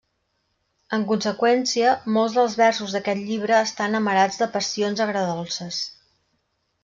En conseqüència, molts dels versos d'aquest llibre estan amarats de passions agredolces.